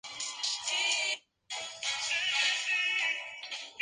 Cada versión se acompaña de un registro de cambios lanzado en la web oficial.